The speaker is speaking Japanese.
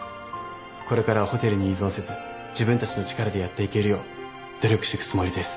これからはホテルに依存せず自分たちの力でやっていけるよう努力していくつもりです。